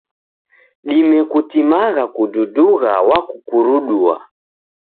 Dime kutimagha kududugha w'akukurudua.